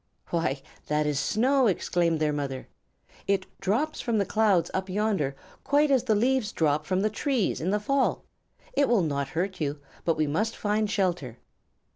"Why, that is snow!" exclaimed their mother. "It drops from the clouds up yonder quite as the leaves drop from the trees in the fall. It will not hurt you, but we must find shelter."